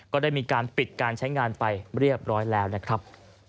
ก็ได้มีการปิดการใช้งานไปเรียบร้อยแล้วนะครับ